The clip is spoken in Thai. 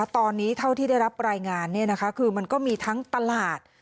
ตอนนี้เท่าที่ได้รับรายงานคือมันก็มีทั้งตลาด